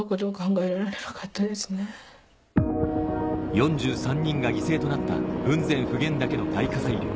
４３人が犠牲となった雲仙普賢岳の大火砕流